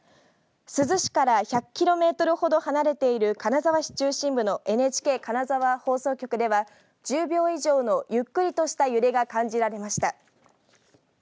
珠洲市から１００キロメートルほど離れている金沢市中心部のＮＨＫ金沢放送局では１０秒以上のゆっくりとした揺れが感じられました。